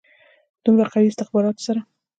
دومره قوي استخباراتو سره.